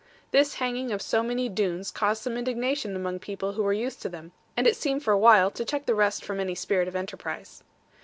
This hanging of so many Doones caused some indignation among people who were used to them; and it seemed for a while to check the rest from any spirit of enterprise.